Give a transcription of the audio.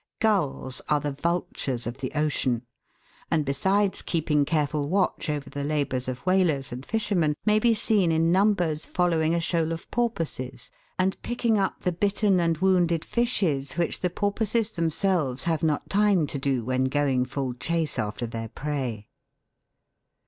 Gulls (Fig. 49) are the vultures of the ocean, and besides keeping careful watch over the labours of whalers and fisher men may be seen in numbers following a shoal of porpoises and picking up the bitten and wounded fishes, which the porpoises themselves have not time to do when going full chase after their prey.